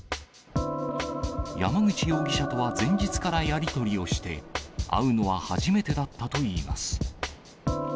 山口容疑者とは前日からやり取りをして、会うのは初めてだったといいます。